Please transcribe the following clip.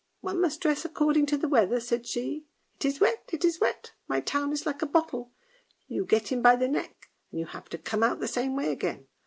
" One must dress according to the weather! " said she. " It is wet, it is wet, my town is like a bottle, you get in by the neck, and you have to come out the same way again